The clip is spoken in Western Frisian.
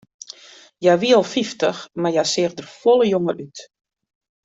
Hja wie al fyftich, mar hja seach der folle jonger út.